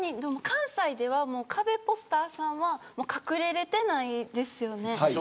関西ではカベポスターさんは隠れられてないですよね。